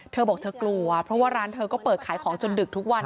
เธอบอกเธอกลัวเพราะว่าร้านเธอก็เปิดขายของจนดึกทุกวัน